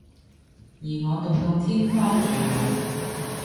而我毒到天荒地老